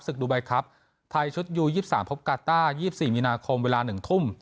ศึกดูใบครับไทยชุดยูยี่สิบสามพบการ์ต้ายี่สิบสี่มีนาคมเวลาหนึ่งทุ่ม